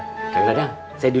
setelah atem nikah sama kang idoi